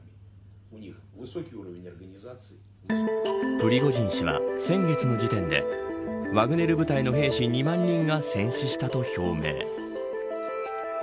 プリゴジン氏は先月の時点でワグネル部隊の兵士２万人が戦死したと表明。